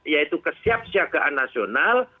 yaitu kesiapsiagaan nasional